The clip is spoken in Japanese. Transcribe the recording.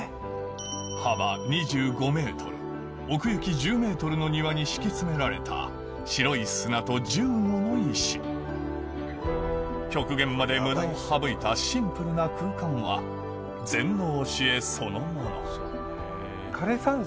幅２５ｍ奥行き１０ｍの庭に敷き詰められた白い砂と１５の石極限まで無駄を省いたシンプルな空間は禅の教えそのもの